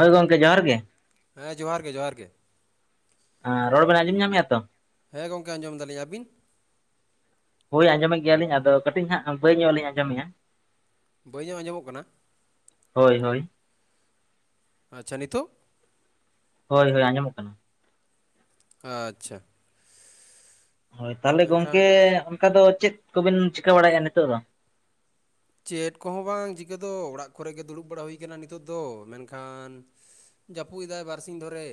ᱦᱳᱭ ᱜᱚᱝᱠᱮ ᱡᱚᱦᱟᱨ ᱜᱮᱼᱼ ᱦᱮᱸ ᱡᱚᱦᱟᱨ ᱜᱮ ᱡᱚᱦᱟᱨ ᱜᱮᱼᱼ ᱦᱮᱸ ᱨᱚᱲ ᱵᱮᱱ ᱟᱸᱡᱚᱢ ᱧᱟᱢᱮᱜᱼᱟ ᱛᱚ ᱦᱮᱸ ᱜᱚᱢᱠᱮ ᱟᱸᱡᱚᱢ ᱫᱟᱞᱤᱧ ᱟᱹᱵᱤᱱᱼᱼ ᱦᱳᱭ ᱟᱸᱡᱚᱢ ᱮᱫ ᱜᱮᱭᱟ ᱞᱤᱧ ᱟᱫᱚ ᱠᱟᱹᱴᱤᱡ ᱦᱟᱸᱜ ᱵᱟᱹᱭ ᱧᱚᱜᱼᱞᱤᱧ ᱟᱸᱡᱚᱢᱮᱜᱼᱟ ᱵᱟᱹᱭ ᱧᱚᱜ ᱟᱸᱡᱚᱢᱚᱜ ᱠᱟᱱᱟ ᱦᱳᱭ ᱦᱳᱭ ᱟᱪᱪᱷᱟ ᱱᱤᱛᱳᱜ ᱦᱳᱭ ᱦᱳᱭ ᱟᱸᱡᱚᱢᱚᱜ ᱠᱟᱱᱟ ᱟᱪᱪᱷᱟ ᱦᱳᱭ ᱛᱟᱦᱚᱞᱮ ᱜᱚᱝᱠᱮ ᱢᱮᱱᱠᱷᱟᱱ ᱚᱱᱠᱟ ᱫᱚ ᱪᱮᱫ ᱠᱚ ᱵᱮᱱ ᱪᱤᱠᱟᱹ ᱵᱟᱲᱟᱭᱮᱫᱼᱟ ᱱᱤᱛᱚᱜ ᱫᱚᱼᱼ ᱪᱮᱫ ᱠᱚ ᱦᱚᱸ ᱵᱟᱝ ᱪᱤᱠᱟᱹ ᱫᱚ ᱚᱲᱟᱜ ᱠᱚ ᱨᱮ ᱜᱮ ᱫᱩᱲᱩᱵ ᱵᱟᱲᱟ ᱦᱩᱭ ᱠᱟᱱᱟ ᱱᱤᱛᱚᱜ ᱫᱚ ᱢᱮᱱ ᱠᱷᱟᱱᱼᱼ ᱡᱟᱹᱯᱩᱫ ᱮᱫᱟᱭ ᱵᱟᱨᱥᱤᱧ ᱫᱷᱚᱨᱮ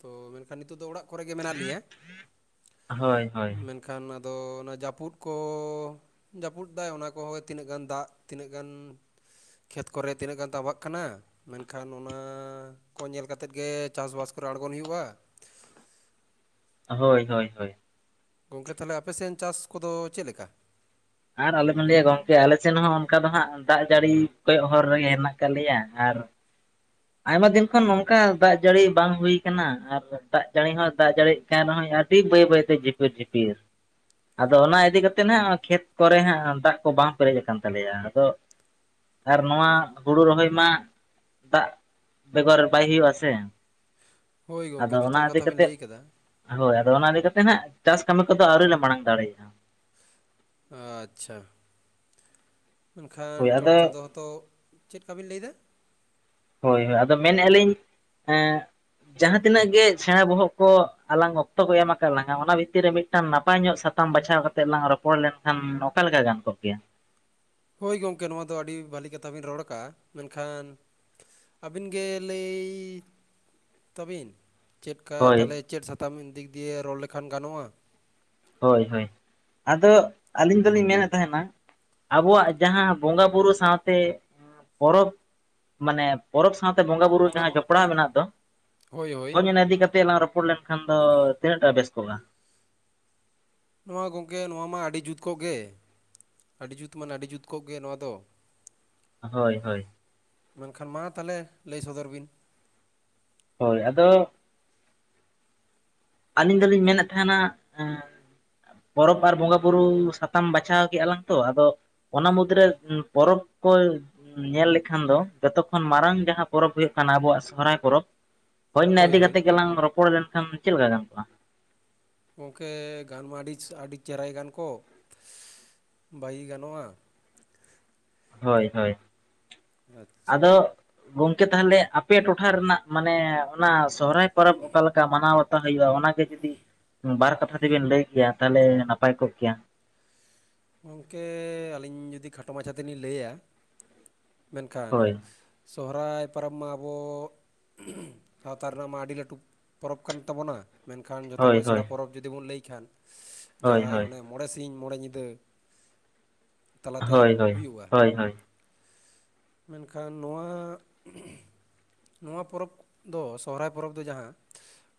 ᱛᱚ ᱢᱮᱱ ᱠᱷᱟᱱ ᱱᱤᱛᱳᱜ ᱫᱚ ᱚᱲᱟᱜᱼᱼ ᱠᱚ ᱨᱮ ᱜᱮ ᱢᱮᱱᱟᱜ ᱞᱤᱧᱟ ᱦᱳᱭ ᱦᱳᱭ [unintelligible] ᱮᱱ ᱠᱷᱟᱱ ᱟᱫᱚ ᱚᱱᱟ ᱡᱟᱹᱯᱩᱫ ᱠᱚ ᱡᱟᱹᱯᱩᱫ ᱫᱟᱭ ᱚᱱᱟ ᱠᱚ ᱦᱚᱸᱼᱼ ᱛᱤᱱᱟᱹᱜ ᱜᱟᱱ ᱫᱟᱜ ᱛᱤᱱᱟᱹᱜ ᱜᱟᱱ ᱠᱷᱮᱛ ᱠᱚ ᱨᱮ ᱛᱤᱱᱟᱹᱜ ᱜᱟᱱ ᱛᱟᱵᱟᱜ ᱠᱟᱱᱟ ᱢᱮᱱ ᱠᱷᱟᱱ ᱚᱱᱟ ᱠᱚ ᱧᱮᱞ ᱠᱟᱛᱮᱫ ᱜᱮ ᱪᱟᱥ ᱵᱟᱥ ᱠᱚ ᱨᱮ ᱟᱬᱜᱚᱱ ᱦᱩᱭᱩᱜᱼᱟ ᱦᱳᱭ ᱦᱳᱭ ᱦᱳᱭ ᱜᱚᱝᱠᱮ ᱛᱟᱦᱚᱞᱮ ᱟᱯᱮᱥᱮᱱ ᱪᱟᱥ ᱠᱚᱫᱚ ᱪᱮᱫ ᱞᱮᱠᱟ? ᱟᱨ ᱟᱞᱚᱵᱮᱱ ᱞᱟᱹᱭᱟ ᱜᱚᱝᱠᱮ ᱟᱞᱮ ᱥᱮᱱ ᱦᱚᱸ ᱚᱱᱠᱟ ᱫᱚ ᱦᱟᱸᱜ ᱫᱟᱜ ᱡᱟᱹᱲᱤ ᱠᱚᱭᱚᱜ ᱦᱚᱨ ᱨᱮᱜᱮ ᱦᱮᱱᱟᱜ ᱟᱠᱟᱫ ᱞᱮᱭᱟ ᱟᱨ ᱟᱭᱢᱟ ᱫᱤᱱ ᱠᱷᱚᱱ ᱱᱚᱝᱠᱟ ᱫᱟᱜ ᱡᱟᱹᱲᱤ ᱵᱟᱝ ᱦᱩᱭ ᱠᱟᱱᱟ ᱟᱨ ᱫᱟᱜ ᱡᱟᱹᱲᱤ ᱦᱚᱸ ᱫᱟᱜ ᱡᱟᱹᱲᱤ ᱠᱟᱱ ᱨᱮᱦᱚᱭ ᱟᱹᱰᱤ ᱵᱟᱹᱭ ᱵᱟᱹᱭᱛᱮ ᱡᱷᱤᱯᱤᱨ ᱡᱷᱤᱯᱤᱨ ᱟᱫᱚ ᱚᱱᱟ ᱤᱫᱤ ᱠᱟᱛᱮᱜ ᱱᱟᱦᱟᱸᱜ ᱠᱷᱮᱛ ᱠᱚᱨᱮ ᱦᱟᱸᱜ ᱫᱟᱜ ᱠᱚ ᱵᱟᱝ ᱯᱮᱨᱮᱡ ᱟᱠᱟᱱ ᱛᱟᱞᱮᱭᱟ ᱟᱫᱚ ᱟᱨ ᱱᱚᱣᱟ ᱦᱩᱲᱩ ᱨᱚᱦᱚᱭ ᱢᱟ ᱫᱟᱜ ᱵᱮᱜᱚᱨ ᱵᱟᱭ ᱦᱩᱭᱩᱜᱼᱟ ᱥᱮ ᱦᱳᱭ ᱟᱫᱚ ᱜᱚᱝᱠᱮ ᱚᱱᱟ ᱡᱚᱛᱷᱟᱛ ᱤᱫᱤ ᱠᱟᱛᱷᱟ ᱵᱤᱱ ᱠᱟᱛᱮᱫ ᱞᱟᱹᱭ ᱠᱟᱫᱟ ᱦᱳᱭ ᱟᱫᱚ ᱚᱱᱟ ᱤᱫᱤ ᱠᱟᱛᱮ ᱱᱟᱸᱜ ᱪᱟᱥ ᱠᱟᱹᱢᱤ ᱠᱚᱫᱚ ᱟᱹᱣᱨᱤ ᱞᱮ ᱢᱟᱲᱟᱝ ᱫᱟᱲᱮᱭᱟᱜᱼᱟ ᱟᱪᱪᱷᱟ ᱢᱮᱱᱠᱷᱟᱱ ᱦᱳᱭ ᱪᱚᱴ ᱟᱫᱚ ᱪᱟᱸᱫᱳ ᱛᱚ ᱪᱮᱫᱠᱟᱵᱤᱱ ᱞᱟᱹᱭᱫᱟ ᱦᱳᱭ ᱦᱳᱭ ᱟᱫᱚ ᱢᱮᱱᱮᱜᱼᱟ ᱞᱤᱧ ᱮᱸ ᱡᱟᱦᱟᱸ ᱛᱤᱱᱟᱹᱜ ᱜᱮ ᱪᱷᱟᱭᱟ ᱵᱚᱦᱚᱜ ᱠᱚ ᱟᱞᱟᱝ ᱚᱠᱛᱚ ᱠᱚ ᱮᱢ ᱟᱠᱟᱫ ᱞᱟᱝᱟ ᱚᱱᱟ ᱵᱷᱤᱛᱤᱨ ᱨᱮ ᱢᱤᱫ ᱢᱤᱫᱴᱟᱝ ᱱᱟᱯᱟᱭ ᱧᱚᱜ ᱥᱟᱛᱟᱢ ᱵᱟᱪᱷᱟᱣ ᱠᱟᱛᱮ ᱞᱟᱝ ᱨᱚᱯᱚᱲ ᱞᱮᱱᱠᱷᱟᱱ ᱚᱠᱟ ᱞᱮᱠᱟ ᱜᱟᱱ ᱠᱚᱜ ᱠᱮᱭᱟ ᱦᱳᱭ ᱜᱚᱝᱠᱮ ᱱᱚᱣᱟ ᱫᱚ ᱟᱹᱰᱤ ᱵᱷᱟᱹᱞᱤ ᱠᱟᱛᱷᱟ ᱵᱤᱱ ᱨᱚᱲ ᱠᱟᱜᱼᱟ ᱢᱮᱱᱠᱷᱟᱱ ᱟᱹᱵᱤᱱ ᱜᱮ ᱞᱟᱹᱭ ᱛᱟᱵᱤᱱ ᱪᱮᱫ ᱠᱟ ᱦᱳᱭ ᱛᱟᱦᱚᱞᱮ ᱪᱮᱫ ᱥᱟᱛᱟᱢ ᱫᱤᱠ ᱫᱤᱭᱮ ᱨᱚᱲ ᱞᱮᱠᱷᱟᱱ ᱜᱟᱱᱚᱜᱼᱟ? ᱦᱳᱭ ᱦᱳᱭ ᱟᱫᱚ ᱟᱹᱞᱤᱧ ᱫᱚᱞᱤᱧ ᱢᱮᱱᱮᱫ ᱛᱟᱦᱮᱸᱱᱟ ᱟᱵᱚᱣᱟᱜ ᱡᱟᱦᱟᱸ ᱵᱚᱸᱜᱟ ᱵᱩᱨᱩ ᱥᱟᱶᱛᱮ ᱯᱚᱨᱚᱵᱽ ᱢᱟᱱᱮ ᱯᱚᱨᱚᱵᱽ ᱥᱟᱶᱛᱮ ᱵᱚᱸᱜᱟ ᱵᱩᱨᱩ ᱡᱟᱦᱟᱸ ᱡᱚᱯᱲᱟᱣ ᱢᱮᱱᱟᱜ ᱫᱚ ᱦᱳᱭ ᱚᱱᱟ ᱤᱫᱤ ᱠᱟᱛᱮ ᱞᱟᱝ ᱨᱚᱯᱚᱲ ᱞᱮᱱ ᱠᱷᱟᱱ ᱫᱚ ᱛᱤᱱᱟᱹᱜ ᱴᱟ ᱵᱮᱥ ᱠᱚᱜᱼᱟ ᱱᱚᱣᱟ ᱜᱚᱝᱠᱮ ᱱᱚᱣᱟ ᱢᱟ ᱟᱹᱰᱤ ᱡᱩᱛ ᱠᱚᱜᱼᱜᱮ ᱟᱹᱰᱤ ᱡᱩᱛ ᱢᱟᱱᱮ ᱟᱹᱰᱤ ᱡᱩᱛ ᱠᱚᱜᱼᱜᱮ ᱱᱚᱣᱟ ᱫᱚ ᱦᱳᱭ ᱦᱳᱭ ᱢᱮᱱᱠᱷᱟᱱ ᱢᱟ ᱛᱟᱦᱚᱞᱮ ᱞᱟᱹᱭ ᱥᱚᱫᱚᱨ ᱵᱤᱱ ᱦᱳᱭ ᱟᱫᱚ ᱟᱹᱞᱤᱧ ᱫᱚᱞᱤᱧ ᱢᱮᱱᱮᱫ ᱛᱟᱦᱮᱸᱱᱟ ᱮ ᱯᱚᱨᱚᱵᱽ ᱟᱨ ᱵᱚᱸᱜᱟ ᱵᱩᱨᱩ ᱥᱟᱛᱟᱢ ᱵᱟᱪᱷᱟᱣ ᱠᱮᱜᱼᱟ ᱞᱟᱝ ᱛᱚ ᱟᱫᱚ ᱚᱱᱟ ᱢᱩᱫᱨᱮ ᱯᱚᱨᱚᱵᱽ ᱠᱚᱭ ᱧᱮᱞ ᱞᱮᱠᱷᱟᱱ ᱫᱚ ᱡᱚᱛᱚᱠᱷᱚᱱ ᱢᱟᱨᱟᱝ ᱡᱟᱦᱟᱸ ᱯᱚᱨᱚᱵᱽ ᱦᱩᱭᱩᱜ ᱠᱟᱱᱟ ᱟᱵᱩᱣᱟᱜ ᱥᱚᱦᱚᱨᱟᱭ ᱯᱚᱨᱚᱵᱽ ᱦᱳᱭ ᱚᱱᱟ ᱤᱫᱤ ᱠᱟᱛᱮᱫ ᱜᱮᱞᱟᱝ ᱨᱚᱯᱚᱲ ᱞᱮᱱᱠᱷᱟᱱ ᱪᱮᱫ ᱞᱮᱠᱟ ᱜᱟᱱ ᱠᱚᱜᱼᱟ? ᱜᱚᱝᱠᱮ ᱜᱟᱱᱢᱟ ᱟᱹᱰᱤᱪ ᱟᱹᱰᱤ ᱪᱮᱦᱨᱟ ᱜᱮ ᱜᱟᱱ ᱠᱚ ᱵᱟᱭᱤ ᱜᱟᱱᱚᱜᱼᱟ ᱦᱳᱭ ᱦᱳᱭ ᱟᱪᱪᱷᱟ ᱟᱫᱚ ᱜᱚᱝᱠᱮ ᱛᱟᱦᱚᱞᱮ ᱟᱯᱮ ᱴᱚᱴᱷᱟ ᱨᱮᱱᱟᱜ ᱢᱟᱱᱮ ᱚᱱᱟ ᱥᱚᱦᱨᱟᱭ ᱯᱚᱨᱚᱵᱽ ᱚᱠᱟᱞᱮᱠᱟ ᱢᱟᱱᱟᱣ ᱵᱟᱛᱟᱣ ᱦᱩᱭᱩᱜᱼᱟ? ᱚᱱᱟᱜᱮ ᱡᱩᱫᱤ ᱵᱟᱨ ᱠᱟᱛᱷᱟ ᱡᱩᱫᱤᱵᱤᱱ ᱞᱟᱹᱭ ᱠᱮᱭᱟ ᱛᱟᱦᱚᱞᱮ ᱱᱟᱯᱟᱭ ᱠᱚᱜ ᱠᱮᱭᱟ ᱜᱚᱝᱠᱮ ᱟᱹᱞᱤᱧ ᱡᱩᱫᱤ ᱠᱷᱟᱴᱚ ᱢᱟᱪᱷᱟ ᱛᱮᱞᱤᱧ ᱞᱟᱹᱭᱟ ᱢᱮᱱᱠᱷᱟᱱ ᱦᱳᱭ ᱥᱚᱦᱚᱨᱟᱭ ᱯᱚᱨᱚᱵᱽ ᱢᱟ ᱟᱵᱚ ᱥᱟᱶᱛᱟ ᱨᱮᱱᱟᱜ ᱢᱟ ᱟᱹᱰᱤ ᱞᱟᱹᱴᱩ ᱯᱚᱨᱚᱵᱽ ᱠᱟᱱ ᱛᱟᱵᱚᱱᱟ ᱢᱮᱱᱠᱷᱟᱱ ᱡᱷᱚᱛᱚ ᱦᱳᱭ ᱠᱷᱚᱱ ᱥᱮᱬᱟ ᱦᱳᱭ ᱯᱚᱨᱚᱵᱽ ᱡᱩᱫᱤ ᱵᱚᱱ ᱞᱟᱹᱭ ᱠᱷᱟᱱ ᱦᱳᱭ ᱡᱟᱦᱟᱸ ᱦᱳᱭ ᱚᱱᱮ ᱢᱚᱬᱮ ᱥᱤᱧ ᱢᱚᱬᱮ ᱧᱤᱫᱟᱹ ᱛᱟᱞᱟᱛᱮ ᱦᱳᱭ ᱦᱳᱭ ᱦᱩᱭᱩᱜᱼᱟ ᱦᱳᱭ ᱦᱳᱭ ᱢᱮᱱᱠᱷᱟᱱ ᱱᱚᱣᱟ ᱱᱚᱣᱟ ᱯᱚᱨᱚᱵᱽ ᱫᱚ ᱥᱚᱦᱚᱨᱟᱭ ᱯᱚᱨᱚᱵᱽ ᱫᱚ ᱡᱟᱦᱟᱸ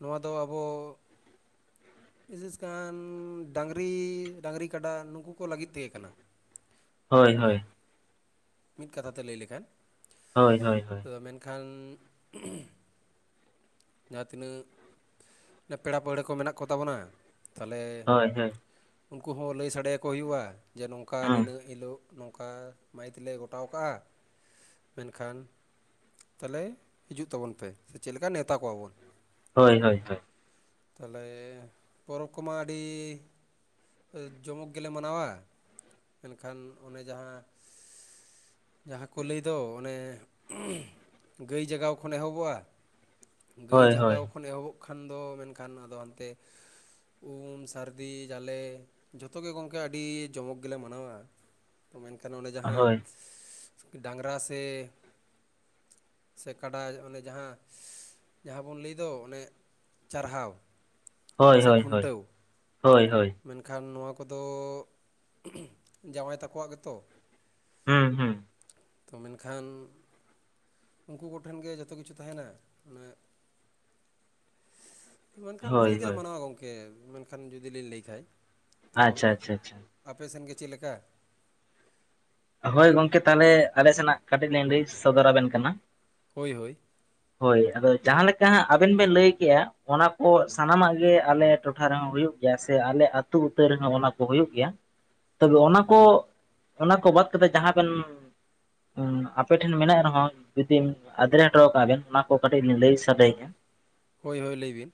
ᱱᱚᱣᱟ ᱫᱚ ᱟᱵᱚ ᱵᱤᱥᱤᱥᱠᱟᱱ ᱰᱟᱹᱝᱨᱤ ᱰᱟᱹᱝᱨᱤ ᱠᱟᱰᱟ ᱱᱩᱠᱩ ᱩᱱᱠᱩ ᱞᱟᱹᱜᱤᱫ ᱛᱮᱜᱮ ᱠᱟᱱᱟ ᱦᱳᱭ ᱦᱳᱭ ᱢᱮᱱᱠᱷᱟᱱ ᱢᱤᱫ ᱠᱟᱛᱷᱟ ᱛᱮ ᱞᱟᱹᱭ ᱞᱮᱠᱷᱟᱱ ᱦᱳᱭ ᱦᱳᱭ ᱦᱳᱭ ᱫᱚ ᱢᱮᱱᱠᱷᱟᱱ ᱡᱟᱦᱟᱸ ᱛᱤᱱᱟᱹᱜ ᱯᱮᱲᱟ ᱯᱟᱹᱲᱦᱟᱹ ᱠᱚ ᱢᱮᱱᱟᱜ ᱠᱚ ᱛᱟᱵᱚᱱᱟ ᱛᱟᱦᱚᱞᱮ ᱦᱳᱭ ᱩᱱᱠᱩ ᱦᱚᱸ ᱞᱟᱹᱭ ᱥᱟᱰᱮᱭᱟᱠᱚ ᱦᱩᱭᱩᱜᱼᱟ ᱡᱮ ᱱᱚᱝᱠᱟ ᱦᱩᱸ ᱱᱤᱱᱟᱹᱜ ᱦᱤᱞᱳᱜ ᱱᱚᱝᱠᱟ ᱢᱟᱹᱭᱤᱛ ᱞᱮ ᱜᱚᱴᱟᱣ ᱠᱟᱜᱼᱟ ᱢᱮᱱᱠᱷᱟᱱ ᱛᱟᱦᱚᱞᱮ ᱦᱤᱡᱩᱜ ᱛᱟᱵᱚᱱ ᱯᱮ ᱥᱮ ᱪᱮᱫ ᱞᱮᱠᱟ ᱵᱚᱱ ᱱᱮᱶᱛᱟ ᱠᱚᱣᱟ ᱵᱚᱱ, ᱦᱳᱭ ᱦᱳᱭᱳᱭ᱾ ᱛᱟᱦᱚᱞᱮ ᱯᱚᱨᱚᱵᱽ ᱠᱚᱢᱟ ᱟᱹᱰᱤᱼᱼ ᱡᱚᱢᱚᱠ ᱜᱮᱞᱮ ᱢᱟᱱᱟᱣᱟ ᱢᱮᱱᱠᱷᱟᱱ ᱚᱱᱮ ᱡᱟᱦᱟᱸᱼᱼ ᱡᱟᱦᱟᱸ ᱠᱚ ᱞᱟᱹᱭ ᱫᱚ ᱚᱱᱮᱼᱼ ᱜᱟᱹᱭ ᱡᱟᱜᱟᱣ ᱠᱷᱚᱱ ᱮᱦᱚᱵᱚᱜᱼᱟ ᱜᱟᱹᱭ ᱦᱳᱭ ᱦᱳᱭ ᱦᱳᱭ ᱡᱟᱜᱟᱣᱼᱼ ᱠᱷᱚᱱ ᱮᱦᱚᱵᱚᱜ ᱠᱷᱟᱱ ᱫᱚ ᱢᱮᱱᱠᱷᱟᱱ ᱟᱫᱚ ᱦᱟᱱᱛᱮ ᱩᱢ ᱥᱟᱹᱨᱫᱤ ᱡᱟᱞᱮ ᱡᱚᱛᱚ ᱜᱮ ᱜᱚᱝᱠᱮ ᱟᱹᱰᱤ ᱡᱚᱢᱚᱠ ᱜᱮᱞᱮ ᱢᱟᱱᱟᱣᱟ ᱛᱚ ᱢᱮᱱᱠᱷᱟᱱ ᱚᱱᱰᱮ ᱡᱟᱦᱟᱸ ᱦᱳᱭ ᱰᱟᱝᱨᱟ ᱥᱮᱼᱼ ᱥᱮ ᱠᱟᱰᱟ ᱚᱱᱮ ᱡᱟᱦᱟᱸ ᱡᱟᱦᱟᱸ ᱵᱚᱱ ᱞᱟᱹᱭ ᱫᱚ ᱚᱱᱮᱼᱼ ᱪᱟᱨᱦᱟᱣ ᱦᱳᱭ ᱦᱳᱭ ᱦᱳᱭ ᱠᱷᱩᱱᱴᱟᱹᱣ ᱦᱳᱭ ᱦᱳᱭ ᱢᱮᱱᱠᱷᱟᱱ ᱱᱚᱣᱟ ᱠᱚᱫᱚ ᱡᱟᱶᱟᱭ ᱛᱟᱠᱚᱣᱟᱜ ᱜᱮᱛᱚ, ᱦᱩᱸ ᱦᱩᱸ ᱛᱚ ᱢᱮᱱᱠᱷᱟᱱᱼᱼ ᱩᱱᱠᱩ ᱠᱚᱴᱷᱮᱱ ᱜᱮ ᱡᱚᱛᱚ ᱠᱤᱪᱷᱩ ᱛᱟᱦᱮᱱᱟ ᱚᱱᱮᱼᱼ ᱢᱮᱱᱠᱷᱟᱱ ᱵᱷᱟᱹᱞᱤ ᱦᱳᱭ ᱜᱮᱞᱮ ᱦᱳᱭ ᱢᱟᱱᱟᱣᱟ ᱜᱚᱢᱠᱮ ᱢᱮᱱᱠᱷᱟᱱ ᱡᱩᱫᱤ ᱞᱤᱧ ᱞᱟᱹᱭ ᱠᱷᱟᱡ᱾ ᱛᱚ ᱟᱪᱪᱷᱟ ᱟᱪᱪᱷᱟ ᱟᱪᱪᱷᱟ ᱟᱯᱮ ᱥᱮᱫ ᱜᱮ ᱪᱮᱫᱞᱮᱠᱟ? ᱦᱳᱭ ᱜᱚᱝᱠᱮ ᱛᱟᱦᱚᱞᱮ ᱟᱞᱮ ᱥᱮᱱᱟᱜ ᱠᱟᱹᱴᱤᱡ ᱞᱤᱧ ᱞᱟ. ᱭ ᱥᱚᱫᱚᱨᱟᱵᱮᱱ ᱠᱟᱱᱟ? ᱦᱳᱭ ᱦᱳᱭᱼᱼ ᱦᱳᱭ ᱟᱫᱚ ᱡᱟᱦᱟᱸ ᱞᱮᱠᱟ ᱦᱟᱸᱜ ᱟᱵᱮᱱ ᱵᱮᱱ ᱞᱟᱹᱭ ᱠᱮᱫᱮᱜᱼᱟ ᱚᱱᱟ ᱠᱚ ᱥᱟᱱᱟᱢᱟᱜ ᱜᱮ ᱟᱞᱮ ᱴᱚᱴᱷᱟ ᱨᱮᱦᱚᱸ ᱦᱩᱭᱩᱜᱼᱼ ᱥᱮ ᱟᱞᱮ ᱟᱹᱛᱩ ᱩᱛᱟᱹᱨ ᱨᱮᱦᱚᱸ ᱚᱱᱟ ᱠᱚ ᱦᱩᱭᱩᱜ ᱜᱮᱭᱟ ᱛᱚᱵᱮ ᱚᱱᱟ ᱠᱚ ᱚᱱᱟ ᱠᱚ ᱵᱟᱫ ᱠᱟᱛᱮ ᱡᱟᱦᱟᱸ ᱵᱮᱱᱼᱼ ᱟᱯᱮᱴᱷᱮᱱ ᱢᱮᱱᱟᱜ ᱨᱮᱦᱚᱸ ᱡᱩᱫᱤ ᱟᱫᱨᱮ ᱦᱚᱴᱚ ᱠᱟᱜ ᱵᱮᱱ ᱚᱱᱟ ᱠᱚ ᱠᱟᱹᱴᱤᱡ ᱞᱤᱧ ᱞᱟᱹᱭ ᱥᱟᱰᱮ ᱮᱫ ᱟ ᱦᱳᱭ ᱦᱳᱭ ᱞᱟᱹᱭᱵᱤᱱ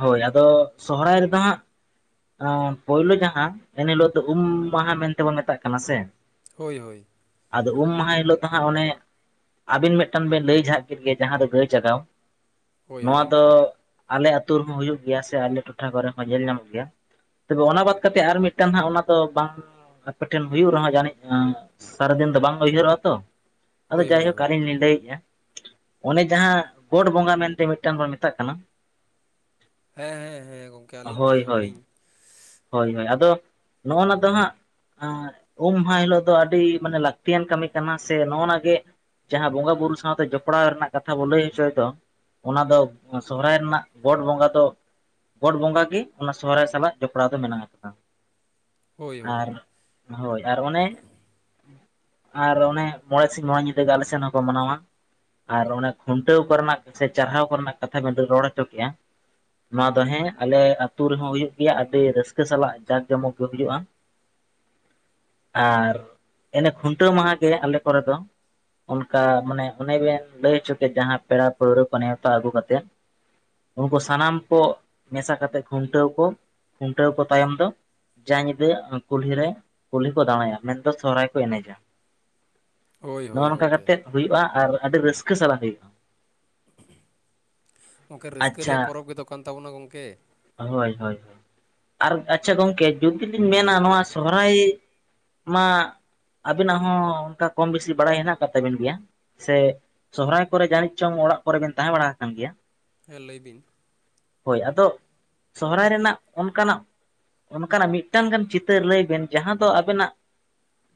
ᱦᱳᱭ ᱟᱫᱚ ᱥᱚᱦᱚᱨᱟᱭ ᱨᱮᱫᱚ ᱦᱟᱸᱜ ᱯᱳᱭᱞᱳ ᱡᱟᱦᱟᱸ ᱮᱱ ᱦᱤᱞᱳᱜ ᱫᱚ ᱩᱢ ᱢᱟᱦᱟ ᱢᱮᱱᱛᱮ ᱵᱚᱱ ᱢᱮᱛᱟᱜ ᱠᱟᱱᱟ ᱥᱮ, ᱦᱳᱭ ᱦᱳᱭᱼᱼ ᱟᱫᱚ ᱩᱢ ᱢᱟᱦᱟ ᱦᱤᱞᱳᱜ ᱫᱚ ᱦᱟᱸᱜ ᱚᱱᱮ ᱟᱵᱤᱱ ᱢᱤᱫᱴᱟᱝ ᱵᱤᱱ ᱞᱟᱹᱭ ᱡᱷᱟᱜ ᱠᱮᱫ ᱜᱮᱼᱼ ᱡᱟᱦᱟᱸ ᱫᱚ ᱜᱟᱹᱭ ᱡᱟᱜᱟᱣ ᱦᱳᱭ ᱱᱚᱣᱟ ᱦᱳᱭ ᱫᱚᱼᱼ ᱟᱞᱮ ᱟᱹᱛᱩ ᱨᱮᱦᱚᱸ ᱦᱩᱭᱩᱜ ᱜᱮᱭᱟ ᱥᱮ ᱟᱞᱮ ᱴᱚᱴᱷᱟ ᱠᱚᱨᱮ ᱦᱚᱸ ᱧᱮᱞ ᱧᱟᱢᱚᱜ ᱜᱮᱭᱟᱼᱼ ᱛᱚᱵᱮ ᱚᱱᱟ ᱵᱟᱫ ᱠᱟᱛᱮ ᱟᱨ ᱢᱤᱫᱴᱟᱝ ᱦᱟᱸᱜ ᱚᱱᱟ ᱫᱚ ᱵᱟᱝᱼᱼ ᱟᱯᱮᱴᱷᱮᱱ ᱦᱩᱭᱩᱜ ᱨᱮᱦᱚᱸ ᱡᱟᱹᱱᱤᱡ ᱥᱟᱨᱟ ᱫᱤᱱ ᱫᱚ ᱵᱟᱝ ᱩᱭᱦᱟᱹᱨᱚᱜᱼᱟ ᱛᱚ ᱟᱫᱚ ᱦᱳᱭ ᱦᱳᱭ ᱡᱟᱭᱦᱳᱠ ᱦᱳᱭ ᱟᱹᱞᱤᱧ ᱞᱤᱧ ᱞᱟᱹᱭᱮᱜᱼᱟ ᱚᱱᱮ ᱡᱟᱦᱟᱸ ᱜᱚᱰ ᱵᱚᱸᱜᱟ ᱢᱮᱱᱛᱮ ᱢᱤᱫᱴᱟᱝ ᱵᱚᱱ ᱢᱮᱛᱟᱜ ᱠᱟᱱᱟ᱾ ᱦᱮᱸ ᱦᱮᱸ ᱦᱮᱸ ᱜᱚᱝᱠᱮ ᱟᱹᱞᱤᱧ ᱦᱳᱭ ᱡᱟᱭᱦᱳᱠ ᱦᱳᱭ ᱞᱤᱧᱼᱼ ᱦᱳᱭ ᱦᱳᱭ ᱟᱫᱚ ᱱᱚᱜᱼᱚ ᱱᱟ ᱫᱚ ᱦᱟᱸᱜᱼᱼ ᱩᱢ ᱢᱟᱦᱟ ᱦᱤᱞᱳᱜ ᱫᱚ ᱟᱹᱰᱤ ᱢᱟᱱᱮ ᱞᱟᱹᱠᱛᱤᱭᱟᱱ ᱠᱟᱹᱢᱤ ᱠᱟᱱᱟ ᱥᱮ ᱱᱚᱜᱼ ᱱᱟ ᱜᱮᱼᱼ ᱡᱟᱦᱟᱸ ᱵᱚᱸᱜᱟ ᱵᱩᱨᱩ ᱥᱟᱶᱛᱮ ᱡᱚᱯᱲᱟᱣ ᱨᱮᱱᱟᱜ, ᱠᱟᱛᱷᱟ ᱵᱚ ᱞᱟᱹᱭ ᱦᱚᱪᱚᱭ ᱫᱚ ᱚᱱᱟ ᱫᱚ ᱥᱚᱦᱨᱟᱭ ᱨᱮᱱᱟᱜ ᱜᱚᱴ ᱵᱚᱸᱜᱟ ᱫᱚᱼᱼ ᱜᱚᱴ ᱵᱚᱸᱜᱟ ᱜᱮ ᱚᱱᱟ ᱥᱚᱦᱨᱟᱭ ᱥᱟᱞᱟᱜ ᱡᱚᱯᱲᱟᱣ ᱫᱚ ᱢᱮᱱᱟᱜ ᱟᱠᱟᱫᱟ ᱦᱳᱭ ᱦᱳᱭ ᱟᱨᱼᱼ ᱦᱳᱭ ᱟᱨ ᱚᱱᱮ ᱟᱨ ᱚᱱᱮ ᱢᱚᱬᱮ ᱥᱤᱧ ᱢᱚᱬᱟ ᱧᱤᱫᱟᱹ ᱟᱞᱮ ᱥᱮᱱ ᱦᱚᱸᱠᱚ ᱢᱟᱱᱟᱣᱟ ᱟᱨ ᱚᱱᱟ ᱠᱷᱩᱱᱴᱟᱹᱣ ᱠᱚᱨᱮᱱᱟᱜ ᱥᱮ ᱪᱟᱨᱦᱟᱣ ᱠᱚᱨᱮᱱᱟᱜ ᱠᱟᱛᱷᱟ ᱵᱤᱱ ᱨᱚᱲ ᱦᱚᱪᱚ ᱠᱮᱜᱼᱟ᱾ ᱱᱚᱣᱟ ᱫᱚ ᱦᱮᱸ ᱟᱞᱮ ᱟᱛᱳ ᱨᱮᱦᱚᱸ ᱦᱩᱭᱩᱜ ᱜᱮᱭᱟ ᱟᱹᱰᱤ ᱨᱟᱹᱥᱠᱟᱹ ᱥᱟᱞᱟᱜ ᱡᱟᱠ ᱡᱚᱢᱚᱠ ᱜᱮ ᱦᱩᱭᱩᱜᱼᱟ᱾ [inaudible] ᱟᱨ ᱤᱱᱮ ᱠᱷᱩᱱᱴᱟᱹᱣ ᱢᱟᱦᱟ ᱜᱮ ᱟᱞᱮ ᱠᱚᱨᱮ ᱫᱚᱼᱼ ᱚᱱᱠᱟ ᱢᱟᱱᱮ ᱚᱱᱮ ᱵᱮᱱ ᱞᱟᱹᱭ ᱦᱚᱪᱚ ᱠᱮᱫ ᱡᱟᱦᱟᱸ ᱯᱮᱲᱟ ᱯᱟᱹᱲᱦᱟᱹ ᱠᱚ ᱱᱮᱶᱛᱟ ᱟᱹᱜᱩ ᱠᱟᱛᱮᱫᱼᱼ ᱩᱱᱠᱩ ᱥᱟᱱᱟᱢ ᱠᱚ ᱢᱮᱥᱟ ᱠᱟᱛᱮ ᱠᱷᱩᱱᱴᱟᱹᱣ ᱠᱚ ᱠᱷᱩᱱᱴᱟᱹᱣ ᱠᱚ ᱛᱟᱭᱚᱢ ᱫᱚᱼᱼ ᱡᱟ ᱧᱤᱫᱟᱹ ᱠᱩᱞᱦᱤ ᱨᱮ ᱠᱩᱞᱦᱤ ᱠᱚ ᱫᱟᱬᱟᱭᱟ ᱢᱮᱱᱫᱚ ᱥᱚᱦᱨᱟᱭ ᱠᱚ ᱮᱱᱮᱡᱟ᱾ [inaudible] ᱱᱚᱜᱼᱚ ᱦᱳᱭ ᱱᱚᱝᱠᱟ ᱜᱚᱝᱠᱮ ᱠᱟᱛᱮᱫ ᱦᱩᱭᱩᱜᱼᱟ ᱟᱨ ᱟᱰᱤ ᱨᱟᱹᱥᱠᱟ ᱥᱟᱞᱟᱜ ᱦᱩᱭᱩᱜᱼᱟ᱾ ᱚᱱᱠᱟ ᱨᱟᱹᱥᱠᱟ ᱟᱪᱪᱷᱟ ᱨᱮᱭᱟᱜ ᱯᱚᱨᱚᱵᱽ ᱜᱮ ᱛᱚ ᱠᱟᱱ ᱛᱟᱵᱚ ᱱᱟ ᱜᱚᱝᱠᱮ ᱦᱳᱭ ᱦᱳᱭ ᱟᱨ ᱟᱪᱪᱷᱟ ᱜᱚᱝᱠᱮ ᱡᱩᱫᱤ ᱞᱤᱧ ᱢᱮᱱᱟ ᱱᱚᱣᱟ ᱥᱚᱦᱚ ᱨᱟᱭ ᱢᱟ ᱟᱵᱤᱱᱟᱜ ᱦᱚᱸ ᱚᱱᱠᱟ ᱠᱚᱢ ᱵᱮᱥᱤ ᱵᱟᱲᱟᱭ ᱦᱮᱱᱟᱜ ᱟᱠᱟᱫ ᱛᱟᱵᱤᱱ ᱜᱮᱭᱟ ᱥᱮ ᱥᱚᱦᱨᱟᱭ ᱠᱚᱨᱮ ᱡᱟᱹᱱᱤᱡ ᱪᱚᱝ ᱚᱲᱟᱜ ᱠᱚᱨᱮ ᱵᱮᱱ ᱛᱟᱦᱮᱸ ᱵᱟᱲᱟ ᱟᱠᱟᱱ ᱜᱮᱭᱟ ᱦᱮᱸ ᱞᱟᱹᱭ ᱵᱤᱱ ᱦᱳᱭ ᱟᱫᱚ ᱥᱚᱦᱚᱨᱟᱭ ᱨᱮᱱᱟᱜ ᱚᱱᱠᱟᱱᱟᱜ ᱚᱱᱠᱟᱱᱟᱜ ᱢᱤᱫᱴᱟᱝ ᱜᱟᱱ ᱪᱤᱛᱟᱹᱨ ᱞᱟᱹᱭ ᱵᱮᱱ ᱡᱟᱦᱟᱸ ᱫᱚ ᱟᱵᱮᱱᱟᱜ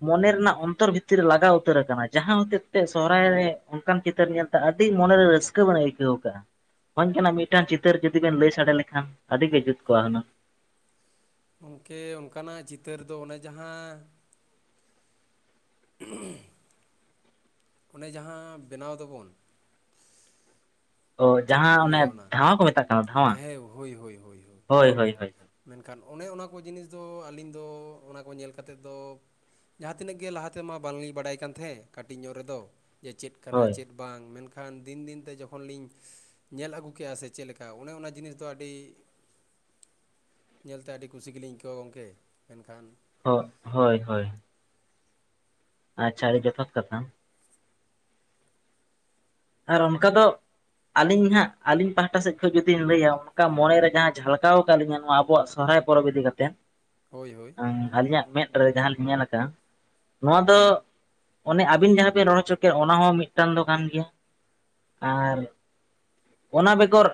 ᱢᱚ ᱱᱮ ᱨᱮᱱᱟᱜ ᱚᱱ ᱛᱚᱨ ᱵᱷᱤ ᱛᱤᱨ ᱨᱮ ᱞᱟᱜᱟᱣ ᱩᱛᱟᱹᱨ ᱟᱠᱟᱱᱟ ᱡᱟᱦᱟᱸ ᱦᱚ ᱛᱮᱡ ᱛᱮ ᱥᱚᱦᱚ ᱨᱟᱭ ᱨᱮ ᱚᱱ ᱠᱟᱱ ᱪᱤᱛᱟᱹᱨ ᱧᱮᱞ ᱛᱮ ᱟᱹᱰᱤ ᱢᱚᱱᱮ ᱨᱮ ᱨᱟᱹᱥᱠᱟᱹ ᱵᱮᱱ ᱟᱹᱭ ᱠᱟᱹᱣ ᱠᱟᱜᱼᱟ [unintelligible] ᱠᱟᱱᱟ ᱢᱤᱫ ᱴᱟᱝ ᱪᱤᱛᱟᱹᱨ ᱡᱩᱫᱤ ᱵᱮᱱ ᱞᱟᱹᱭ ᱥᱟᱰᱮ ᱞᱮ ᱠᱷᱟᱱ ᱟᱹᱰᱤ ᱜᱮ ᱡᱩᱛ ᱠᱚᱜ ᱦᱩᱱᱟᱹᱝ ᱜᱚᱝᱠᱮ ᱚᱱᱠᱟ ᱱᱟᱜ ᱪᱤᱛᱟᱹᱨ ᱫᱚ ᱚᱱᱮ ᱡᱟᱦᱟᱸ [unintelligible] ᱚᱱᱮ ᱡᱟᱦᱟᱸ ᱵᱮᱱᱟᱣ ᱫᱚᱵᱚᱱ ᱚ ᱪᱮᱫ ᱡᱟᱦᱟᱸ ᱠᱚ ᱚᱱᱮ ᱞᱟᱹᱭᱟ ᱚᱱᱟ ᱫᱷᱟᱶᱟ ᱠᱚ ᱢᱮᱛᱟᱜ ᱠᱟᱱᱟ ᱫᱷᱟᱶᱟ ᱦᱮᱸ ᱦᱳᱭ ᱦᱳᱭ ᱢᱮᱱ ᱠᱷᱟᱱ ᱚᱱᱮ ᱚᱱᱟ ᱠᱚ ᱡᱤᱱᱤᱥ ᱫᱚ ᱟᱹᱞᱤᱧ ᱫᱚ ᱚᱱᱟ ᱠᱚ ᱧᱮᱞ ᱠᱟᱛᱮᱫ ᱫᱚ ᱡᱟᱦᱟᱸ ᱛᱤᱱᱟᱹᱜ ᱜᱮ ᱞᱟᱦᱟᱛᱮᱢᱟ ᱵᱟᱝᱞᱤᱧ ᱵᱟᱲᱟᱭ ᱠᱟᱱ ᱛᱟᱦᱮᱸᱫ ᱠᱟᱹᱴᱤᱡ ᱧᱚᱜ ᱨᱮᱫᱚ ᱡᱮ ᱪᱮᱫ ᱠᱟᱱᱟ ᱦᱳᱭ ᱪᱮᱫ ᱵᱟᱝ ᱢᱮᱱᱠᱷᱟᱱ ᱫᱤᱱ ᱫᱤᱱᱛᱮ ᱡᱚ ᱠᱷᱚᱱ ᱞᱤᱧ ᱧᱮᱞ ᱟᱹᱜᱩ ᱠᱮᱜᱼᱟ ᱥᱮ ᱪᱮᱫ ᱞᱮᱠᱟ ᱚᱱᱮ ᱚᱱᱟ ᱡᱤᱱᱤᱥ ᱫᱚ ᱟᱹᱰᱤ ᱧᱮᱞᱛᱮ ᱟᱹᱰᱤ ᱠᱩᱥᱤ ᱜᱮᱞᱤᱧ ᱟᱹᱭᱠᱟᱹᱣᱟ ᱜᱚᱢᱠᱮ ᱢᱮᱱᱠᱷᱟᱱ ᱦ ᱦᱳᱭ ᱦᱳᱭ ᱟᱪᱪᱷᱟ ᱟᱹᱰᱤ ᱡᱚᱛᱷᱟᱛ ᱠᱟᱛᱷᱟ ᱟᱨ ᱚᱱᱠᱟ ᱫᱚ ᱟᱹᱞᱤᱧ ᱦᱟᱸᱜ ᱟᱹᱞᱤᱧ ᱯᱟᱦᱴᱟ ᱥᱮᱫ ᱠᱷᱚᱱ ᱡᱩᱫᱤᱧ ᱞᱟᱹᱭᱟ ᱚᱱᱠᱟ ᱢᱚᱱᱮᱨᱮ ᱡᱟᱦᱟᱸ ᱡᱷᱟᱞᱠᱟᱣ ᱟᱠᱟᱫ ᱞᱤᱧ ᱱᱚᱣᱟ ᱟᱵᱚᱣᱟᱜ ᱥᱚᱨᱦᱟᱭ ᱯᱚᱨᱚᱵ ᱤᱫᱤ ᱠᱟᱛᱮ᱾ ᱦᱳᱭ ᱦᱳᱭ ᱟᱞᱤᱧ ᱟᱜ ᱢᱮᱫ ᱨᱮ ᱡᱟᱦᱟᱸ ᱞᱤᱧ ᱧᱮᱞ ᱟᱠᱟᱜᱼᱟ᱾ ᱱᱚᱣᱟ ᱫᱚ ᱚᱱᱮ ᱟᱹᱵᱤᱱ ᱡᱟᱦᱟᱸᱵᱤᱱ ᱨᱚᱲ ᱦᱚ ᱪᱚ ᱠᱮᱫ ᱚᱱᱟ ᱦᱚᱸ ᱢᱤᱫᱴᱟᱝ ᱫᱚ ᱠᱟᱱ ᱜᱮᱭᱟ᱾ ᱟᱨ ᱚᱱᱟ ᱵᱮᱜᱚᱨ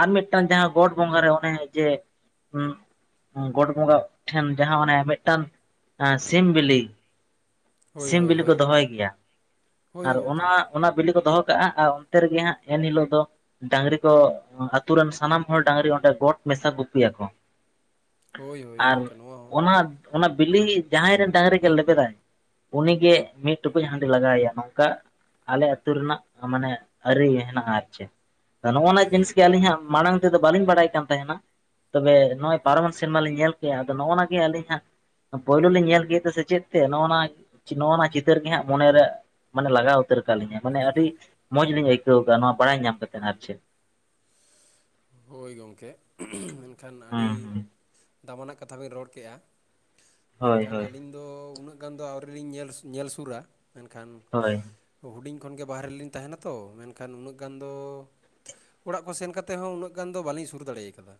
ᱟᱨ ᱢᱤᱫ ᱴᱟᱝ ᱡᱟᱦᱟᱸ ᱜᱚᱴ ᱵᱚᱸᱜᱟ ᱨᱮ ᱚᱱᱮ ᱡᱮ ᱜᱚᱴ ᱵᱚᱸᱜᱟ ᱴᱷᱮᱱ ᱡᱟᱦᱟᱸ ᱚᱱᱮ ᱢᱤᱫᱴᱟᱝ ᱥᱤᱢ ᱵᱤᱞᱤ ᱦᱳᱭ ᱥᱤᱢ ᱦᱳᱭ ᱵᱤᱞᱤ ᱠᱚ ᱦᱳᱭ ᱫᱚᱦᱚᱭ ᱜᱮᱭᱟ ᱦᱳᱭ ᱟᱨ ᱜᱚᱢᱠᱮ ᱚᱱᱟ ᱚᱱᱟ ᱵᱤᱞᱤ ᱠᱚ ᱫᱚ ᱦᱚ ᱠᱟᱜᱼᱟ ᱟᱨ ᱚᱱᱛᱮ ᱨᱮᱜᱮ ᱦᱟᱸᱜ ᱮᱱ ᱦᱤᱞᱳᱜ ᱫᱚ᱾ ᱰᱟᱹᱝᱨᱤ ᱠᱚ ᱟᱹᱛᱩ ᱨᱮᱱ ᱥᱟᱱᱟᱢ ᱦᱚᱲ ᱰᱟᱝᱨᱤ ᱚᱸᱰᱮ ᱜᱚᱴ ᱢᱮᱥᱟ ᱜᱩᱯᱤ ᱭᱟ ᱠᱚ ᱦᱳᱭ ᱦᱳᱭ ᱟᱨ ᱜᱚᱢᱠᱮ ᱱᱚᱣᱟ ᱦᱚᱸ ᱚᱱᱟ ᱚᱱᱟ ᱵᱤᱞᱤ ᱡᱟᱦᱟᱸᱭ ᱨᱮᱱ ᱰᱟᱺᱝᱨᱤ ᱜᱮ ᱞᱮᱵᱮ ᱫᱟ ᱩᱱᱤ ᱜᱮ ᱢᱤᱫ ᱴᱩᱠᱩᱡ ᱦᱟᱹᱰᱤ ᱞᱟᱜᱟᱣ ᱟᱭᱟ ᱱᱚᱝᱠᱟ ᱟᱞᱮ ᱟᱹᱛᱩ ᱟᱹᱛᱩ ᱨᱮᱱᱟᱜ ᱢᱟᱱᱮ ᱟᱹᱨᱤ ᱦᱮᱱᱟᱜᱼᱟ ᱟᱨ ᱪᱮᱫ ᱱᱚᱜᱼᱚ ᱱᱚᱣᱟ ᱡᱤᱱᱤᱥ ᱜᱮ ᱟᱹᱞᱤᱧ ᱦᱟᱸᱜ ᱢᱟᱲᱟᱝ ᱛᱮᱫᱚ ᱵᱟᱹᱞᱤᱧ ᱵᱟᱲᱟᱭ ᱠᱟᱱ ᱛᱟᱦᱮ ᱱᱟ᱾ ᱛᱚ ᱵᱮ ᱱᱚᱜᱼᱚᱭ ᱯᱟᱨᱚᱢ ᱮᱱ ᱥᱮᱨᱢᱟ ᱞᱤᱧ ᱧᱮᱞ ᱠᱮᱜᱼᱟ ᱟᱫᱚ ᱱᱚᱜᱼᱚᱱᱟ ᱜᱮ ᱟᱹᱞᱤᱧ ᱦᱟᱸᱜ ᱯᱳᱭᱞᱳ ᱞᱤᱧ ᱧᱮᱞ ᱠᱮᱫᱟ ᱥᱮ ᱪᱮᱫ ᱛᱮ ᱱᱚᱜᱼ ᱱᱚᱜ ᱱᱚᱣᱟ ᱪᱤᱛᱟᱹᱨ ᱜᱮ ᱦᱟᱸᱜ ᱢᱚᱱᱮ ᱨᱮ ᱢᱟᱱᱮ ᱞᱟᱜᱟᱣ ᱩᱛᱟᱹᱨ ᱠᱟᱫ ᱞᱤᱧᱟᱹ ᱢᱟᱱᱮ ᱟᱹᱰᱤ ᱢᱚᱡᱽ ᱞᱤᱧ ᱟᱹᱭᱠᱟᱹᱣ ᱠᱟ ᱱᱚᱣᱟ ᱵᱟᱲᱟᱭ ᱧᱟᱢ ᱠᱟᱛᱮ ᱟᱨ ᱪᱮᱫ ᱦᱳᱭ ᱜᱚᱝᱠᱮ ᱢᱮᱱ ᱠᱷᱟᱱ ᱦᱩᱸ ᱟᱹᱰᱤ ᱦᱩᱸ ᱫᱟᱢᱟᱱᱟᱜ ᱠᱟᱛᱷᱟ ᱵᱮᱱ ᱨᱚᱲ ᱠᱮᱜᱼᱟ ᱢᱮᱱ ᱦᱳᱭ ᱠᱷᱟᱱ ᱦᱳᱭ ᱟᱹᱞᱤᱧ ᱫᱚ ᱩᱱᱟᱹᱜ ᱜᱟᱱ ᱫᱚ ᱟᱹᱣᱨᱤ ᱞᱤᱧ ᱧᱮᱞ ᱧᱮᱞ ᱥᱩᱨᱟ ᱢᱮᱱ ᱠᱷᱟᱱ ᱦᱳᱭ ᱦᱩᱰᱤᱧ ᱠᱷᱚᱱ ᱜᱮ ᱵᱟᱦᱨᱮ ᱨᱮ ᱞᱤᱧ ᱛᱟᱦᱮᱱᱟ ᱛᱚ ᱢᱮᱱ ᱠᱷᱟᱱ ᱩᱱᱟᱹᱜ ᱜᱟᱱ ᱫᱚ ᱚᱲᱟᱜ ᱠᱚ ᱥᱮᱱ ᱠᱟᱛᱮ ᱛᱮᱦᱚᱸ ᱩᱱᱟᱹᱜ ᱜᱟᱱ ᱫᱚ ᱵᱟᱞᱤᱧ ᱥᱩᱨ ᱫᱟᱲᱮ ᱟᱠᱟᱫᱟ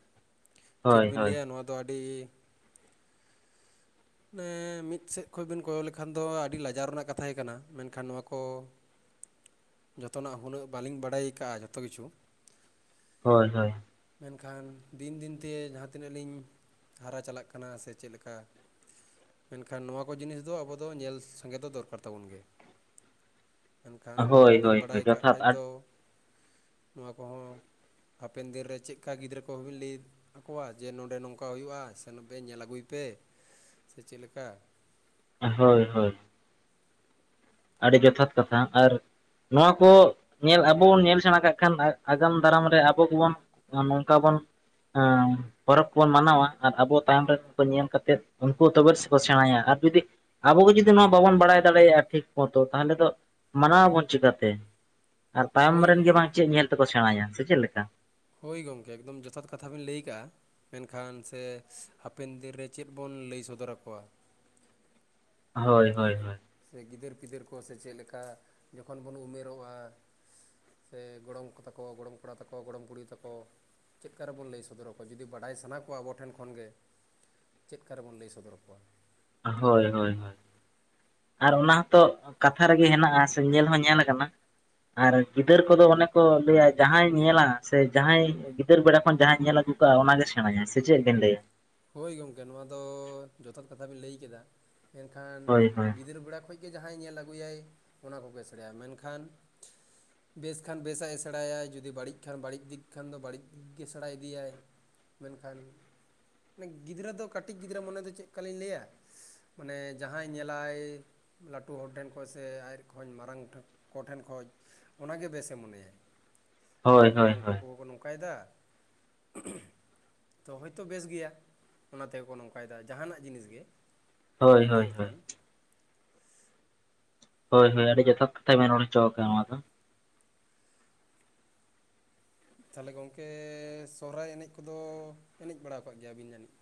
ᱪᱮᱫ ᱦᱳᱭ ᱵᱤᱱ ᱦᱳᱭ ᱞᱟᱹᱭᱟ ᱱᱚᱣᱟ ᱫᱚ ᱟᱹᱰᱤ ᱮᱸ ᱢᱤᱫ ᱥᱮᱫ ᱠᱷᱚᱱ ᱵᱤᱱ ᱠᱚᱭᱚᱜ ᱞᱮᱠᱷᱟᱱ ᱫᱚ ᱟᱹᱰᱤ ᱞᱟᱡᱟᱣ ᱨᱮᱱᱟᱜ ᱠᱟᱛᱷᱟ ᱜᱮ ᱠᱟᱱᱟ ᱢᱮᱱᱠᱷᱟᱱ ᱱᱚᱣᱟ ᱠᱚ ᱡᱷᱚᱛᱚᱱᱟᱜ ᱦᱩᱱᱟᱹᱜ ᱵᱟᱹᱞᱤᱧ ᱵᱟᱰᱟᱭ ᱠᱟᱜᱼᱟ ᱡᱷᱚᱛᱚ ᱠᱤᱪᱷᱩ ᱦᱳᱭ ᱦᱳᱭ ᱢᱮᱱᱠᱷᱟᱱ ᱫᱤᱱ ᱫᱤᱱᱛᱮ ᱡᱟᱦᱟᱸ ᱛᱤᱱᱟᱹᱜ ᱞᱤᱧ ᱦᱟᱨᱟ ᱪᱟᱞᱟᱜ ᱠᱟᱱᱟ ᱥᱮ ᱪᱮᱫ ᱞᱮᱠᱟ ᱢᱮᱱᱠᱷᱟᱱ ᱱᱚᱣᱟ ᱠᱚ ᱡᱤᱱᱤᱥ ᱫᱚ ᱟᱵᱚ ᱫᱚ ᱧᱮᱞ ᱥᱟᱸᱜᱮ ᱫᱚ ᱫᱚᱨᱠᱟᱨ ᱛᱟᱵᱚᱱ ᱜᱮ᱾ ᱢᱮᱱᱠᱷᱟᱱ ᱵᱟᱝ ᱦᱳᱭ ᱵᱤᱱ ᱦᱳᱭ ᱵᱟᱲᱟᱭ ᱦᱳᱭ ᱠᱟᱜ ᱡᱚᱛᱷᱟᱛ ᱠᱷᱟᱡ ᱟᱨ ᱫᱚ, ᱱᱚᱣᱟ ᱠᱚᱦᱚᱸᱼᱼ ᱦᱟᱯᱮᱱ ᱫᱤᱱ ᱨᱮ ᱪᱮᱫ ᱠᱟ ᱜᱤᱫᱽᱨᱟᱹ ᱠᱚᱦᱚᱸ ᱵᱮᱱ ᱞᱟᱹᱭ ᱟᱠᱚᱣᱟ ᱡᱮ ᱱᱚᱰᱮ ᱱᱚᱝᱠᱟ ᱦᱩᱭᱩᱜᱼᱟ ᱥᱮᱱᱚᱜ ᱯᱮ ᱧᱮᱞ ᱟᱹᱜᱩᱭ ᱯᱮ, ᱥᱮ ᱪᱮᱫ ᱞᱮᱠᱟ ᱦᱚᱭ ᱦᱚᱭ ᱟᱹᱰᱤ ᱡᱚᱛᱷᱟᱛ ᱠᱟᱛᱷᱟ ᱾ ᱟᱨᱼᱼ ᱱᱚᱣᱟ ᱠᱚ, ᱧᱮᱞ ᱟᱵᱚ ᱵᱚᱱ ᱧᱮᱞ ᱥᱮᱬᱟ ᱠᱟᱜ ᱠᱷᱟᱱ ᱟᱜᱟᱢ ᱫᱟᱨᱟᱢ ᱨᱮ ᱟᱵᱚ ᱠᱚᱵᱚᱱ ᱱᱚᱝᱠᱟ ᱵᱚᱱ ᱟᱸ ᱯᱚᱨᱚᱵᱽ ᱠᱚᱵᱚᱱ ᱢᱟᱱᱟᱣᱟ ᱟᱨ ᱟᱵᱚ ᱛᱟᱭᱚᱢ ᱨᱮ ᱩᱱᱠᱩ ᱧᱮᱞ ᱠᱟᱛᱮᱫ ᱩᱱᱠᱩ ᱛᱚᱵᱮ ᱥᱮᱠᱚ ᱥᱮᱬᱟᱭᱟ ᱾ ᱟᱨ ᱡᱩᱫᱤᱼᱼ ᱟᱵᱚ ᱜᱮ ᱡᱩᱫᱤ ᱱᱚᱣᱟ ᱵᱟᱵᱚᱱ ᱵᱟᱲᱟᱭ ᱫᱟᱲᱮᱭᱟᱜᱼᱟ ᱴᱷᱤᱠ ᱠᱚᱛᱚ ᱛᱟᱦᱚᱞᱮ ᱫᱚ ᱢᱟᱱᱟᱣ ᱟᱵᱚᱱ ᱪᱤᱠᱟᱹᱛᱮ, ᱟᱨ ᱛᱟᱭᱚᱢ ᱦᱳᱭ ᱨᱮᱱ ᱜᱮ ᱜᱚᱢᱠᱮ ᱵᱟᱝ ᱪᱮᱫ ᱧᱮᱞᱼᱼ ᱛᱮᱠᱚ ᱥᱮᱬᱟᱭᱟ ᱥᱮ ᱪᱮᱫ ᱞᱮᱠᱟ ᱾ ᱦᱳᱭ ᱜᱚᱢᱠᱮ ᱮᱠᱫᱚᱢ ᱡᱚᱛᱷᱟᱛ ᱠᱟᱛᱷᱟ ᱵᱮᱱ ᱞᱟᱹᱭ ᱠᱟᱜᱼᱟ ᱾ ᱢᱮᱱᱠᱷᱟᱱ ᱥᱮ ᱦᱟᱯᱮᱱ ᱫᱤᱱ ᱨᱮ ᱪᱮᱫ ᱵᱚᱱ ᱞᱟᱹᱭ ᱥᱚᱫᱚᱨ ᱟᱠᱚᱣᱟ ᱾ ᱦᱚᱭ ᱦᱚᱭ ᱦᱚᱭ ᱥᱮ ᱜᱤᱫᱽᱟᱹᱨ ᱯᱤᱫᱟᱹᱨ ᱠᱚ ᱥᱮ ᱪᱮᱫ ᱞᱮᱠᱟ ᱡᱚᱠᱷᱚᱱ ᱵᱚᱱ ᱩᱢᱮᱨᱚᱜᱼᱟ ᱥᱮ ᱜᱚᱲᱚᱢ ᱠᱚ ᱛᱟᱠᱚ ᱜᱚᱲᱚᱢ ᱠᱚᱲᱟ ᱛᱟᱠᱚ ᱜᱚᱲᱚᱢ ᱠᱩᱲᱤ ᱛᱟᱠᱚ, ᱪᱮᱫᱠᱟ ᱨᱮᱵᱚᱱ ᱞᱟᱹᱭ ᱥᱚᱫᱚᱨ ᱟᱠᱚᱣᱟ ᱡᱩᱫᱤ ᱵᱟᱰᱟᱭ ᱥᱟᱱᱟ ᱠᱚᱣᱟ ᱟᱵᱚ ᱴᱷᱮᱱ ᱠᱷᱚᱱᱜ ᱜᱮᱼᱼ ᱪᱮᱫᱠᱟ ᱨᱮᱵᱚᱱ ᱞᱟᱹᱭ ᱥᱚᱫᱚᱨ ᱟᱠᱚᱣᱟ ᱾ ᱦᱚᱭ ᱦᱚᱭ ᱦᱚᱭ ᱟᱨ ᱚᱱᱟ ᱦᱚᱛᱚ ᱠᱟᱛᱷᱟ ᱨᱮᱜᱮ ᱦᱮᱱᱟᱜᱼᱟ ᱥᱮ ᱧᱮᱞ ᱦᱚᱸ ᱧᱮᱞ ᱟᱠᱟᱱᱟ, ᱟᱨ ᱜᱤᱫᱽᱟᱹᱨ ᱠᱚᱫᱚ ᱚᱱᱮ ᱠᱚ ᱞᱟᱹᱭᱟ ᱡᱟᱦᱟᱸᱭ ᱧᱮᱞᱟ ᱥᱮ ᱡᱟᱦᱟᱸᱭᱼᱼ ᱜᱤᱫᱽᱟᱹᱨ ᱵᱮᱲᱟ ᱠᱷᱚᱱ ᱡᱟᱦᱟᱸᱧ ᱧᱮᱞ ᱟᱜᱩ ᱠᱟᱜᱼᱟᱭ ᱚᱱᱟᱜᱮ ᱥᱮᱬᱟᱭᱟ ᱥᱮ ᱪᱮᱫ ᱵᱤᱱ ᱞᱟᱹᱭᱟ ᱾ ᱦᱳᱭ ᱜᱚᱢᱠᱮ ᱱᱚᱣᱟ ᱫᱚ ᱡᱚᱛᱷᱟᱛ ᱠᱟᱛᱷᱟ ᱵᱮᱱ ᱞᱟᱹᱭ ᱠᱮᱫᱟ, ᱢᱮᱱᱠᱷᱟᱱ ᱦᱳᱭ ᱦᱳᱭ ᱜᱤᱫᱽᱨᱟᱹ ᱵᱮᱲᱟ ᱠᱷᱚᱡᱼᱼ ᱜᱮ ᱡᱟᱦᱟᱸᱭ ᱧᱮᱞ ᱟᱹᱜᱩᱭᱟᱭ ᱚᱱᱟ ᱠᱚᱜᱮ ᱥᱮᱬᱟᱭᱟ ᱾ ᱢᱮᱱ ᱠᱷᱟᱱ ᱵᱮᱥ ᱠᱷᱟᱱ ᱵᱮᱥᱟᱜ ᱮ ᱥᱮᱬᱟᱭᱟᱭ ᱡᱩᱫᱤ ᱵᱟᱹᱲᱤᱡ ᱠᱷᱟᱱ ᱵᱟᱹᱲᱤᱡ ᱫᱤᱠ ᱠᱷᱟᱱ ᱫᱚ ᱵᱟᱹᱲᱤᱡ ᱫᱤᱠ ᱜᱮ ᱥᱮᱬᱟ ᱤᱫᱤᱭᱟᱭ ᱾ ᱢᱮᱱᱠᱷᱟᱱᱼᱼ ᱜᱤᱫᱽᱨᱟᱹ ᱫᱚ ᱠᱟᱹᱴᱤᱡ ᱜᱤᱫᱽᱨᱟᱹ ᱢᱚᱱᱮ ᱫᱚ ᱪᱮᱫᱠᱟᱞᱤᱧ ᱞᱟᱹᱭᱟ, ᱢᱟᱱᱮ ᱡᱟᱦᱟᱸᱭ ᱧᱮᱞᱟᱭᱼᱼ ᱞᱟᱹᱴᱩ ᱦᱚᱲ ᱴᱷᱮᱱ ᱠᱷᱚᱡ ᱥᱮ ᱟᱡ ᱠᱷᱚᱡ ᱢᱟᱨᱟᱝ ᱠᱚ ᱴᱷᱮᱱ ᱠᱷᱚᱡᱼᱼ ᱚᱱᱟᱜᱮ ᱵᱮᱥ ᱮ ᱢᱚᱱᱮᱭᱟ ᱾ ᱡᱮ ᱦᱳᱭ ᱦᱳᱭ ᱢᱟᱨᱟᱝ ᱦᱳᱭ ᱠᱚᱠᱚ ᱠᱚ ᱱᱚᱝᱠᱟ ᱮᱫᱟ ᱛᱚ ᱦᱚᱭᱛᱳ ᱵᱮᱥ ᱜᱮᱭᱟ ᱾ ᱚᱱᱟ ᱛᱮᱜᱮ ᱠᱚ ᱱᱚᱝᱠᱟᱭ ᱮᱫᱟ ᱡᱟᱦᱟᱱᱟᱜ ᱡᱤᱱᱤᱥ ᱜᱮ ᱡᱩᱫᱤ ᱦᱳᱭ ᱵᱚᱱ ᱦᱳᱭ ᱧᱮᱞ ᱦᱳᱭ ᱠᱷᱟᱱ ᱾ ᱦᱳᱭ ᱦᱳᱭ ᱟᱹᱰᱤ ᱡᱚᱛᱷᱟᱛ ᱠᱟᱛᱷᱟᱭ ᱢᱮᱱ ᱨᱚᱲ ᱪᱚ ᱟᱠᱟᱫᱟ ᱱᱚᱣᱟ ᱫᱚ ᱾ ᱛᱟᱞᱦᱮ ᱜᱚᱝᱠᱮ ᱥᱚᱨᱦᱟᱭ ᱮᱱᱮᱡ ᱠᱚᱫᱚ ᱮᱱᱮᱡ ᱵᱟᱲᱟᱣ ᱠᱟᱜ ᱜᱮᱭᱟ ᱵᱤᱱ ᱡᱟᱹᱱᱤᱡ?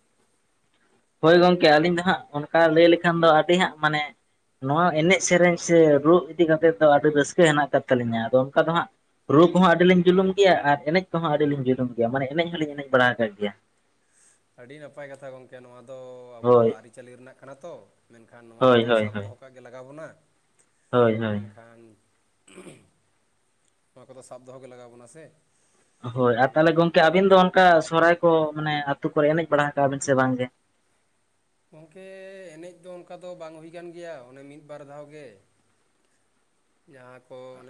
ᱦᱳᱭ ᱜᱚᱝᱠᱮ ᱟᱹᱞᱤᱧ ᱫᱚ ᱦᱟᱸᱜ ᱚᱱᱠᱟ ᱞᱟᱹᱭ ᱞᱮᱠᱷᱟᱱ ᱫᱚ ᱟᱹᱰᱤ ᱦᱟᱸᱜ ᱢᱟᱱᱮ ᱱᱚᱣᱟ ᱮᱱᱮᱡ ᱥᱮᱨᱮᱧ ᱥᱮ ᱨᱩ ᱤᱫᱤ ᱠᱟᱛᱮᱜ ᱫᱚ ᱟᱹᱰᱤ ᱨᱟᱹᱥᱠᱟᱹ ᱦᱮᱱᱟᱜ ᱠᱟᱫ ᱛᱟᱹᱞᱤᱧᱟ ᱟᱫᱚ ᱚᱱᱠᱟ ᱫᱚ ᱦᱟᱸᱜ ᱨᱩ ᱠᱚᱦᱚᱸ ᱟᱹᱰᱤ ᱞᱤᱧ ᱡᱩᱞᱩᱢ ᱜᱮᱭᱟ ᱟᱨ ᱮᱱᱮᱡ ᱠᱚᱦᱚᱸ ᱟᱹᱰᱤ ᱞᱤᱧ ᱡᱩᱞᱩᱢ ᱜᱮᱭᱟ ᱢᱟᱱᱮ ᱮᱱᱮᱡ ᱦᱚᱸᱞᱤᱧ ᱮᱱᱮᱡ ᱵᱟᱲᱟ ᱠᱟᱜ ᱜᱮᱭᱟ ᱾ ᱟᱹᱰᱤ ᱱᱟᱯᱟᱭ ᱠᱟᱛᱷᱟ ᱜᱚᱝᱠᱮ ᱱᱚᱣᱟ ᱫᱚ ᱦᱳᱭ ᱟᱵᱚᱣᱟᱜ ᱟᱹᱨᱤ ᱪᱟᱹᱞᱤ ᱨᱮᱱᱟᱜ ᱠᱟᱱᱟ ᱛᱚ ᱾ ᱢᱮᱱᱠᱷᱟᱱ ᱱᱚᱣᱟ ᱦᱳᱭ ᱠᱚᱫᱚ ᱦᱳᱭ ᱥᱟᱵ ᱦᱳᱭ ᱫᱚᱦᱚ ᱠᱟᱜ ᱜᱮ ᱞᱟᱜᱟᱣ ᱵᱚᱱᱟ, ᱦᱳᱭ ᱦᱳᱭ ᱢᱮᱱᱠᱷᱟᱱ ᱱᱚᱣᱟ ᱠᱚᱫᱚ ᱥᱟᱵ ᱫᱚᱦᱚ ᱜᱮ ᱞᱟᱜᱟᱣ ᱵᱚᱱᱟ ᱥᱮ? ᱦᱳᱭ ᱟᱨ ᱛᱟᱞᱦᱮ ᱚᱱᱠᱟᱱ ᱜᱚᱝᱠᱮ ᱟᱹᱵᱤᱱ ᱫᱚ ᱚᱱᱠᱟ ᱥᱚᱨᱦᱟᱭ ᱠᱚ ᱢᱟᱱᱮ ᱟᱹᱛᱩ ᱠᱚᱨᱮ ᱮᱱᱮᱡ ᱵᱟᱲᱟ ᱠᱟᱜ ᱵᱤᱱ ᱥᱮ ᱵᱟᱝᱜᱮ? ᱜᱚᱝᱠᱮ ᱮᱱᱮᱡ ᱫᱚ ᱚᱱᱠᱟ ᱫᱚ ᱵᱟᱝ ᱦᱩᱭ ᱠᱟᱱ ᱜᱮᱭᱟ ᱚᱱᱮ ᱢᱤᱫᱵᱟᱨ ᱫᱷᱟᱣ ᱜᱮ ᱾ ᱡᱟᱦᱟᱸ ᱠᱚ ᱚᱱᱮ